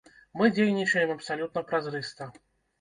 Мы дзейнічаем абсалютна празрыста.